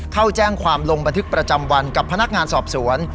เข้าแจ้งความลงบันทึกประจำวันกับพนักงานสอบสวน